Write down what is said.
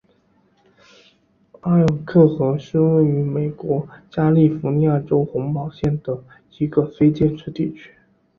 埃尔克河是位于美国加利福尼亚州洪堡县的一个非建制地区。